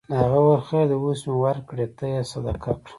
هغه وویل خیر دی اوس مې ورکړې ته یې صدقه کړه.